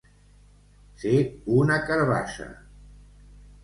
Ser una carabassa.